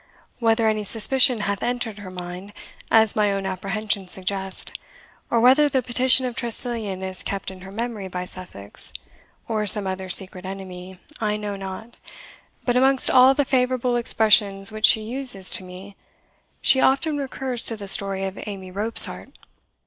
"Whether any suspicion hath entered her mind, as my own apprehensions suggest, or whether the petition of Tressilian is kept in her memory by Sussex or some other secret enemy, I know not; but amongst all the favourable expressions which she uses to me, she often recurs to the story of Amy Robsart.